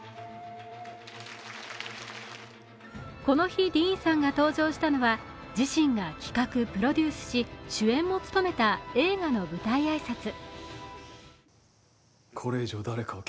この日ディーンさんが登場したのは、自身が企画・プロデュースし主演も務めた映画の舞台挨拶。